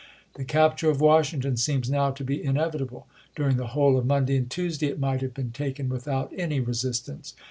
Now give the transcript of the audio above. The capture of Washing ton seems now to be inevitable ; during the whole of Monday and Tuesday it might have been taken without any resistance.